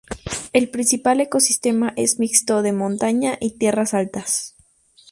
El principal ecosistema es mixto de montaña y tierras altas.